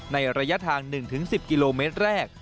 ระยะทาง๑๑๐กิโลเมตรแรก